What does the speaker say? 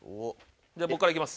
じゃあ僕からいきます。